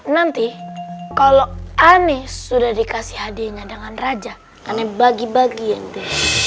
nanti kalau ana sudah dikasih hadiahnya dengan raja ana bagi bagi ente